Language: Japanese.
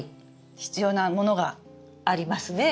必要なものが！ありますねえ。